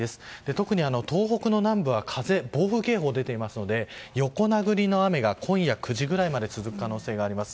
特に東北の南部は暴風警報が出ていますので横殴りの雨が今夜９時ぐらいまで続く可能性があります。